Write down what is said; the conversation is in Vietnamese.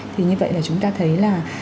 thì như vậy là chúng ta thấy là